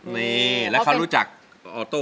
ผมได้๔๐๐๐๐บาทแล้ว